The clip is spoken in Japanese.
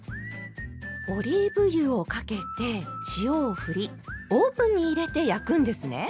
オリーブ油をかけて塩をふりオーブンに入れて焼くんですね。